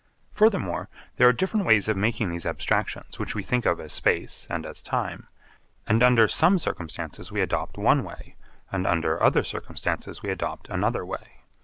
Furthermore there are different ways of making these abstractions which we think of as space and as time; and under some circumstances we adopt one way and under other circumstances we adopt another way.